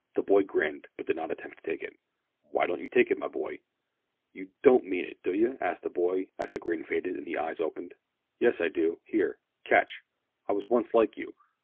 The boy grinned, but did not attempt to take it. "Why don't you take it, my boy?" "You don't mean it, do you?" asked the boy, as the grin faded and the eyes opened. "Yes, I do. Here, catch. I was once like you.